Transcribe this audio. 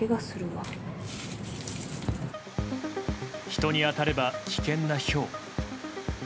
人に当たれば危険なひょう。